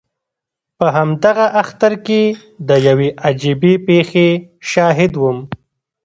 په همدغه اختر کې د یوې عجیبې پېښې شاهد وم.